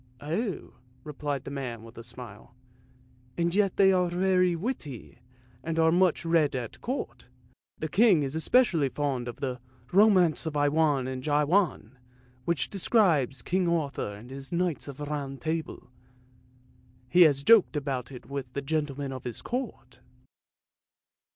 " Oh," replied the man with a smile, " and yet they are very witty, and are much read at Court. The King is especially fond of the ' Romance of I wain and Jawain,' which describes King Arthur and his knights of the Round Table. He has joked about it with the gentlemen of his Court."